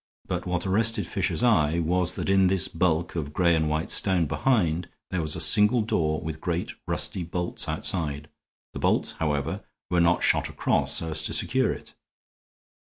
But what arrested Fisher's eye was that in this bulk of gray white stone behind there was a single door with great, rusty bolts outside; the bolts, however, were not shot across so as to secure it.